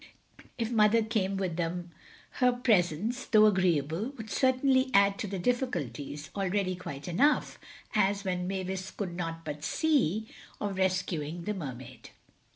If Mother came with them her presence, though agreeable, would certainly add to the difficulties, already quite enough—as even Mavis could not but see—of rescuing the Mermaid.